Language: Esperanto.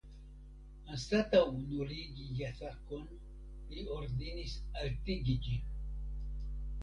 Anstataŭ nuligi jasakon li ordonis altigi ĝin.